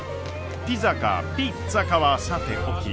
ピザかピッツァかはさておき。